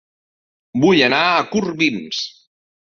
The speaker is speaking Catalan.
Vull anar a Corbins